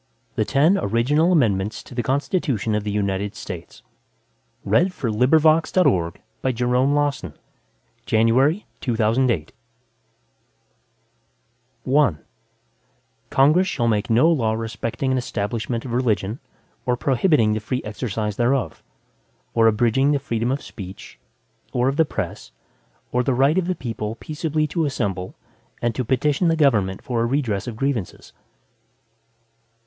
The Ten Original Amendments to the Constitution of the United States Passed by Congress September 25, 1789 Ratified December 15, 1791 I Congress shall make no law respecting an establishment of religion, or prohibiting the free exercise thereof; or abridging the freedom of speech, or of the press, or the right of the people peaceably to assemble, and to petition the Government for a redress of grievances.